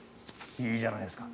いいじゃないですか。